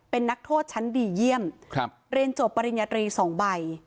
เป็นนักโทษชั้นดีเยี่ยมเรียนจบปริญญาตรี๒ใบ